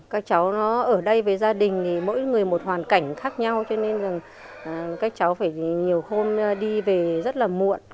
các cháu ở đây với gia đình thì mỗi người một hoàn cảnh khác nhau cho nên là các cháu phải nhiều hôm đi về rất là muộn